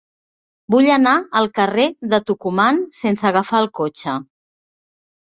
Vull anar al carrer de Tucumán sense agafar el cotxe.